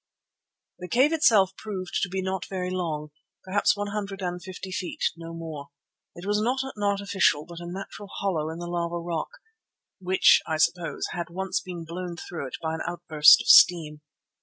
The cave itself proved to be not very long, perhaps one hundred and fifty feet, no more. It was not an artificial but a natural hollow in the lava rock, which I suppose had once been blown through it by an outburst of steam.